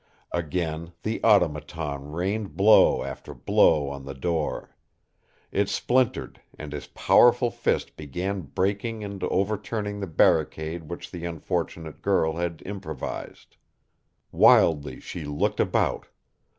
Again the Automaton rained blow after blow on the door. It splintered, and his powerful fist began breaking and overturning the barricade which the unfortunate girl had improvised. Wildly she looked about.